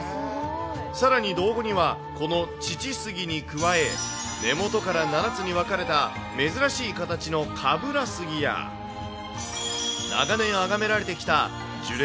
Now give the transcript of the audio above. さらに、島後にはこの乳房杉に加え、根元から７つに分かれた珍しい形のかぶら杉や、長年、あがめられてきた樹齢